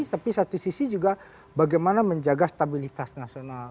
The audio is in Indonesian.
tapi satu sisi juga bagaimana menjaga stabilitas nasional